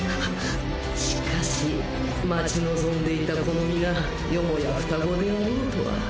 しかし待ち望んでいたこの身がよもや双子であろうとは。